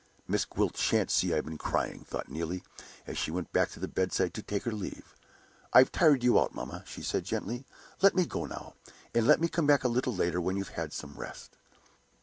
"Miss Gwilt shan't see I've been crying!" thought Neelie, as she went back to the bedside to take her leave. "I've tired you out, mamma," she said, gently. "Let me go now; and let me come back a little later when you have had some rest."